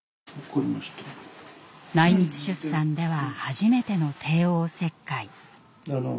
内密出産では初めての帝王切開。